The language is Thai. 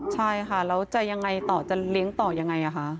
ใช่ค่ะแล้วจะยังไงต่อจะเลี้ยงต่อยังไงคะ